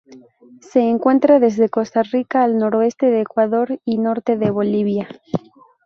Se encuentra desde Costa Rica al noroeste de Ecuador y norte de Bolivia.